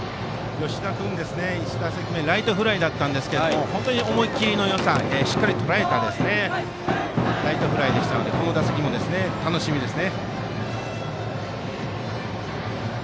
吉田君、１打席目ライトフライでしたが本当に思い切りのよさしっかりとらえたライトフライでしたのでこの打席も楽しみですね。